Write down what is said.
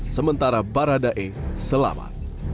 sementara baradae selamat